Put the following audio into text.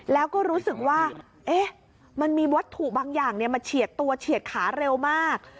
แล้วก็รู้สึกว่ามันมีวัตถุบางอย่างมาเฉียดตัวเฉียดขาเร็วมาก